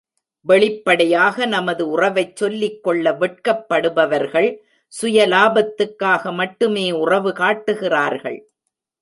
வெளிப்படையாக நமது உறவைச் சொல்லிக் கொள்ள வெட்கப்படுபவர்கள் சுய லாபத்துக்காக மட்டுமே உறவு காட்டுகிறார்கள்.